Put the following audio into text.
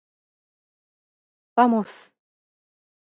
ばもす。